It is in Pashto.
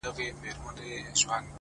زه له خپلي ډيري ميني ورته وايم!